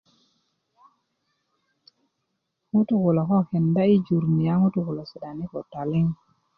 ŋutuu kulo ko kenda yi jur ni a ŋutuuulo si'dani' ko taliŋ